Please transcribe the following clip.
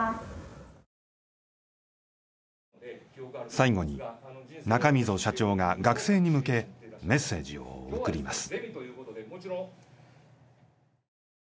最後に中溝社長が学生に向けメッセージを送ります。